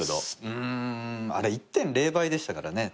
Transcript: うんあれ１．０倍でしたからね。